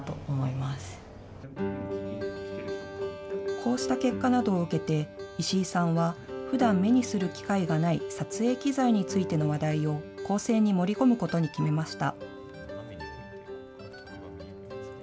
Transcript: こうした結果などを受けて石井さんはふだん目にする機会がない撮影機材についての話題を構成に盛り込むことに決めました。